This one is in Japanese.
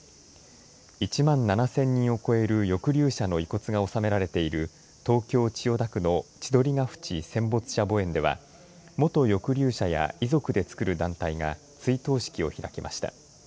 １万７０００人を超える抑留者の遺骨が納められている東京千代田区の千鳥ヶ淵戦没者墓苑では元抑留者や遺族で作る団体が追悼式を開きました。